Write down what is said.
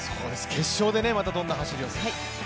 決勝でまたどんな走りをするか。